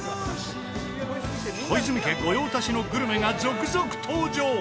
小泉家御用達のグルメが続々登場！